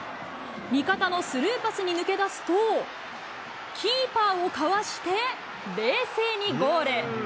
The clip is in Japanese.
味方のスルーパスに抜け出すと、キーパーをかわして冷静にゴール。